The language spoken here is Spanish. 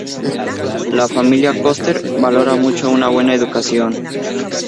La familia Coster valora mucho una buena educación.